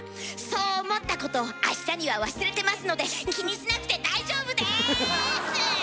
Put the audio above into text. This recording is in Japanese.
そう思ったことをあしたには忘れてますので気にしなくて大丈夫です！